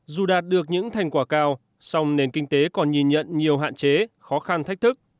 dù đạt được những thành quả cao song nền kinh tế còn nhìn nhận nhiều hạn chế khó khăn thách thức